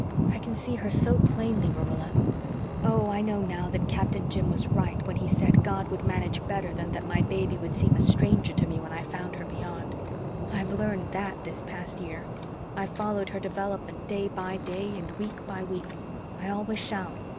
I can see her so plainly, Marilla. Oh, I know now that Captain Jim was right when he said God would manage better than that my baby would seem a stranger to me when I found her Beyond. I've learned THAT this past year. I've followed her development day by day and week by week I always shall.